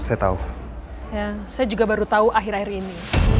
saya juga baru tahu akhir akhir ini